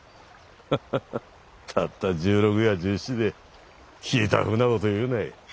ハハハたった１６や１７で聞いたふうな事を言うない。